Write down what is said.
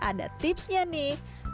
ada tipsnya nih